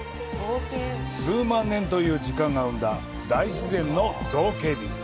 数万年という時間が生んだ大自然の造形美。